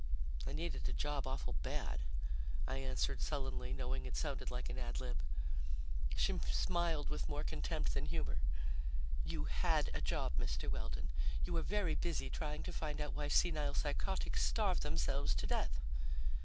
"I needed a job awful bad," I answered sullenly, knowing it sounded like an ad lib. She smiled with more contempt than humor. "You had a job, Mr. Weldon. You were very busy trying to find out why senile psychotics starve themselves to death."